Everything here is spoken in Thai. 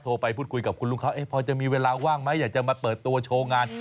ไปพูดคุยกับคุณลุงเขาพอจะมีเวลาว่างไหมอยากจะมาเปิดตัวโชว์งาน